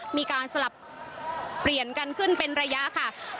มีการสลับเปลี่ยนกันขึ้นเป็นระยะค่ะ